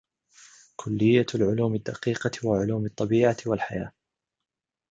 كلية العلوم الدقيقة وعلوم الطبيعة والحياة